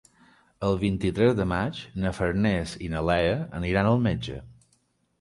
El vint-i-tres de maig na Farners i na Lea aniran al metge.